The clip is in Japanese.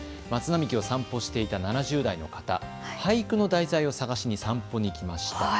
松並木を散歩していた７０代の方、俳句の題材を探しに散歩に来ました。